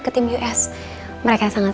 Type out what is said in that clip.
ke tim us mereka sangat